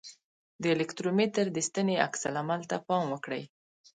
د الکترومتر د ستنې عکس العمل ته پام وکړئ.